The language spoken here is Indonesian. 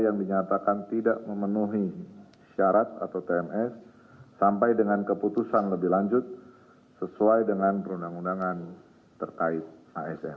yang dinyatakan tidak memenuhi syarat atau tms sampai dengan keputusan lebih lanjut sesuai dengan perundang undangan terkait asn